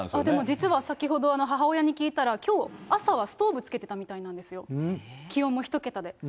でも実は、先ほど母親に聞いたら、きょう、朝はストーブつけてたみたいなんですよ、気温も１桁で。